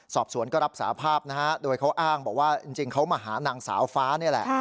สอบสวนก็รับสาภาพนะฮะโดยเขาอ้างบอกว่าจริงเขามาหานางสาวฟ้านี่แหละ